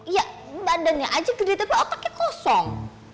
ya badannya aja gede tapi otaknya kosong